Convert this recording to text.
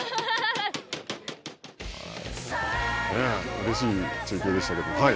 うれしい中継でしたけども。